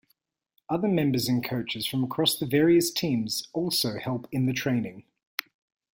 Other members and coaches from across the various teams also help in the training.